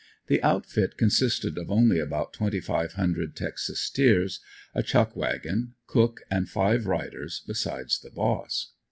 The outfit consisted of only about twenty five hundred Texas steers, a chuck wagon, cook and five riders besides the boss.